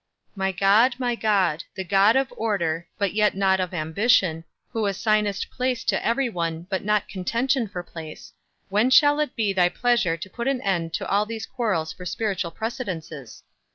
My God, my God, the God of order, but yet not of ambition, who assignest place to every one, but not contention for place, when shall it be thy pleasure to put an end to all these quarrels for spiritual precedences?